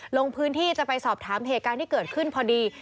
ลงพื้นที่จะไปสอบถามเหตุการณ์ที่เกิดขึ้นพอดี